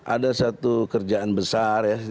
ada satu kerjaan besar